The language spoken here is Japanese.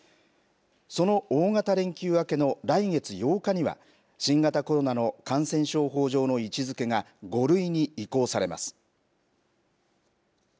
その大型連休明けの来月８日には新型コロナの感染症法上の位置づけが５類に移行されます。